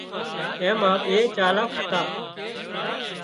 اين مان ٻي چالاڪ هتا